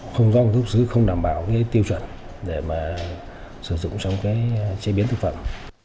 không giao ứng thuốc sứ không đảm bảo tiêu chuẩn để sử dụng trong chế biến thực phẩm